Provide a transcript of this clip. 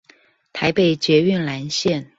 臺北捷運藍線